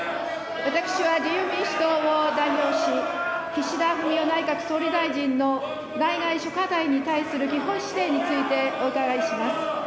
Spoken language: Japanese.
私は自由民主党を代表し、岸田文雄内閣総理大臣の内外諸課題に対する基本姿勢についてお伺いします。